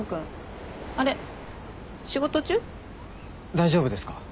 大丈夫ですか？